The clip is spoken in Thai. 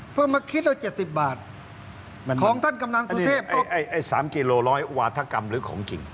เพิ่งมาคิดว่าเจ็ดสิบบาทของท่านกำลังสุเทพไอ้ไอ้ไอ้สามกิโลร้อยวาทกรรมหรือของจริง